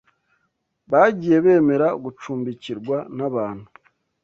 Bagiye bemera gucumbikirwa n’abantu